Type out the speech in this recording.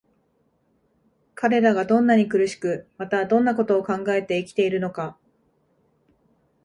彼等がどんなに苦しく、またどんな事を考えて生きているのか、